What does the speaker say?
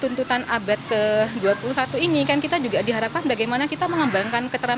oh mengasihi usia dalam jumlah hidupadow in indonesia